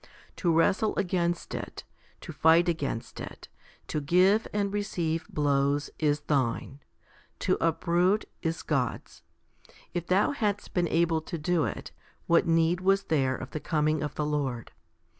To wrestle against it, to fight against it, to give and receive blows, is thine ; to uproot is God's. If thou hadst been able to do it, what need was there of the coming of the Lord